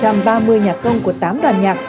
hình ảnh gần một trăm ba mươi nhà công của tám đoàn nhạc